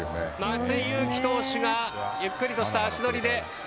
松井裕樹投手がゆっくりとした足取りで。